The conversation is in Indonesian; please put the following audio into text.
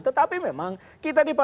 tetapi memang kita di partai demokrat